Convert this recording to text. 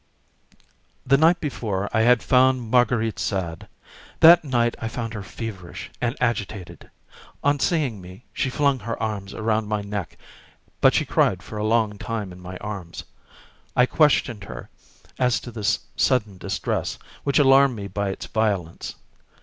The night before I had found Marguerite sad; that night I found her feverish and agitated. On seeing me, she flung her arms around my neck, but she cried for a long time in my arms. I questioned her as to this sudden distress, which alarmed me by its violence.